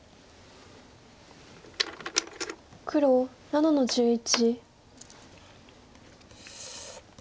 黒７の十一。